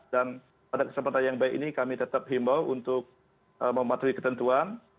dan pada kesempatan yang baik ini kami tetap himbau untuk mematuhi ketentuan